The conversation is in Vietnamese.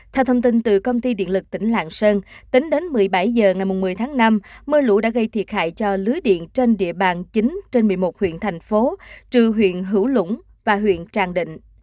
theo thông tin từ công ty điện lực tỉnh lạng sơn tính đến một mươi bảy h ngày một mươi tháng năm mưa lũ đã gây thiệt hại cho lưới điện trên địa bàn chín trên một mươi một huyện thành phố trừ huyện hữu lũng và huyện tràng định